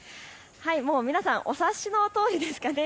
もう皆さんお察しのとおりですかね。